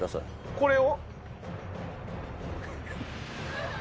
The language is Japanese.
これを？